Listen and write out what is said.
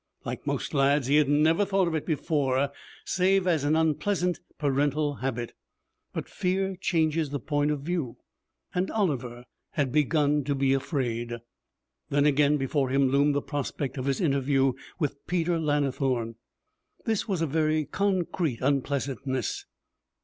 Like most lads, he had never thought of it before save as an unpleasant parental habit. But fear changes the point of view, and Oliver had begun to be afraid. Then again, before him loomed the prospect of his interview with Peter Lannithorne. This was a very concrete unpleasantness.